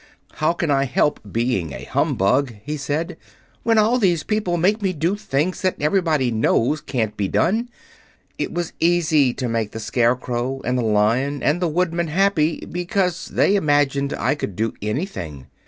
"How can I help being a humbug," he said, "when all these people make me do things that everybody knows can't be done? It was easy to make the Scarecrow and the Lion and the Woodman happy, because they imagined I could do anything.